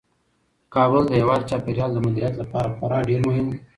کابل د هیواد د چاپیریال د مدیریت لپاره خورا ډیر مهم دی.